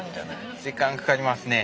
時間かかりますね。